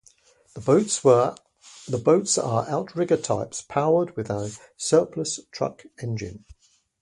The boats are outrigger types powered with a surplus truck engine.